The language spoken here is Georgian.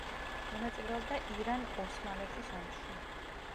მონაწილეობდა ირან-ოსმალეთის ომში.